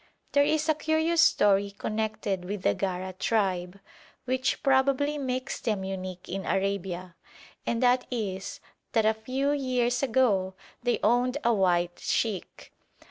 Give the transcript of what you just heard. There is a curious story connected with the Gara tribe, which probably makes them unique in Arabia, and that is, that a few years ago they owned a white sheikh.